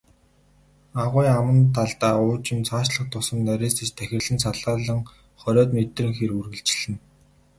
Агуй аман талдаа уужим, цаашлах тутам нарийсаж тахирлан салаалан, хориод метрийн хэр үргэлжилнэ.